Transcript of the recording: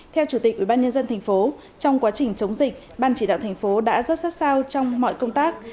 theo chủ tịch ubnd tp trong quá trình chống dịch ban chỉ đạo thành phố đã rất sát sao trong mọi công tác